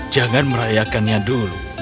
jangan merayakannya dulu